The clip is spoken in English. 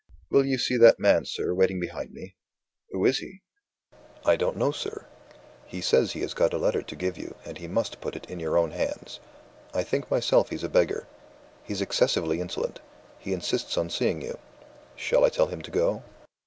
"Will you see that man, sir, waiting behind me?" "Who is he?" "I don't know, sir. He says he has got a letter to give you, and he must put it in your own hands. I think myself he's a beggar. He's excessively insolent he insists on seeing you. Shall I tell him to go?"